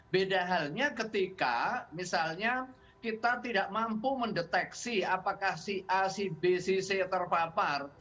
beda halnya ketika misalnya kita tidak mampu mendeteksi apakah si a si b si c terpapar